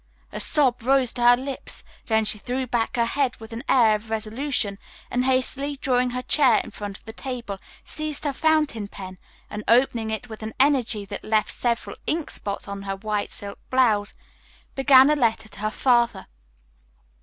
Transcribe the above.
A sob rose to her lips, then she threw back her head with an air of resolution and, hastily drawing her chair in front of the table, seized her fountain pen, and opening it with an energy that left several ink spots on her white silk blouse, began a letter to her father.